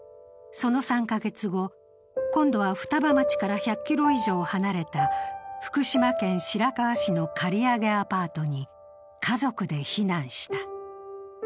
その３カ月後、今度は双葉町から１００ｋｍ以上離れた福島県白河市の借り上げアパートに家族で避難した。